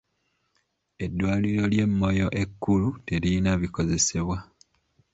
Eddwaliro ly'e Moyo ekkulu teririna bikozesebwa.